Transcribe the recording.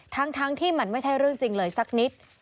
ทั้งที่มันไม่ใช่เรื่องจริงเลยสักนิด